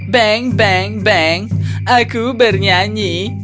bang bang bang aku bernyanyi